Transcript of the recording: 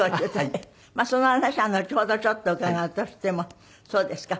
その話はのちほどちょっと伺うとしてもそうですか。